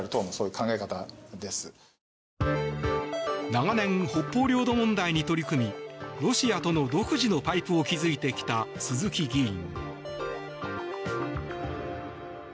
長年、北方領土問題に取り組みロシアとの独自のパイプを築いてきた鈴木議員。